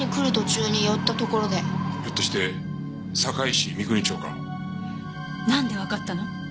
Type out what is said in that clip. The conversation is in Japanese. ひょっとして坂井市三国町か？なんでわかったの？